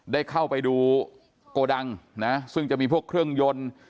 ได้เข้าไปดูโกดังนะซึ่งจะมีพวกเครื่องยนต์